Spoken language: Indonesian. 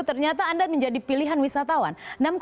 ternyata anda menjadi pilihan wisatawan